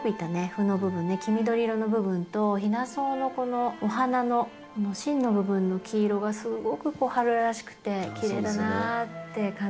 黄緑色の部分とヒナソウのこのお花の芯の部分の黄色がすごく春らしくてきれいだなって感じました。